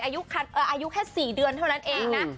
อายุแค่๔เดือนเท่านั้นเองนะ